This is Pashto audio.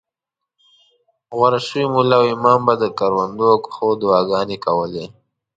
غوره شوي ملا او امام به د کروندو او کښتو دعاګانې کولې.